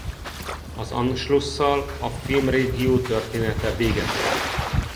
Az Anschluss-szal a filmrégió története véget ért.